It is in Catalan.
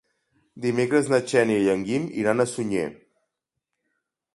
Dimecres na Xènia i en Guim iran a Sunyer.